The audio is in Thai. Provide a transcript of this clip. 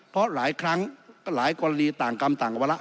เพราะหลายครั้งหลายกรณีต่างกรรมต่างวาระ